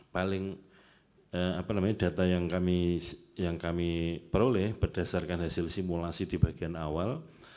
paling data yang kami peroleh berdasarkan hasil simulasi di bagian awal